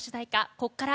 「こっから」